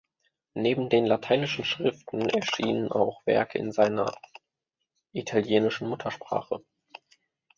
Neben den lateinischen Schriften erschienen auch Werke in seiner italienischen Muttersprache.